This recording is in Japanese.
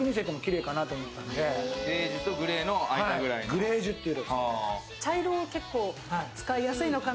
グレージュていう。